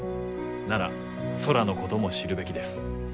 なら空のことも知るべきです。